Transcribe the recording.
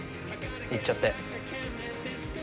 いっちゃって。